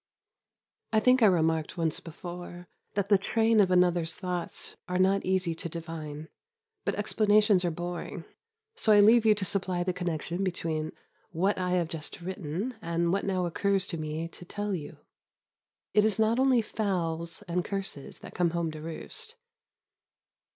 I think I remarked once before that the train of another's thoughts are not easy to divine, but explanations are boring, so I leave you to supply the connection between what I have just written and what now occurs to me to tell you. It is not only fowls and curses that come home to roost.